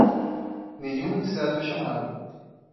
Nenhum inseto é chamado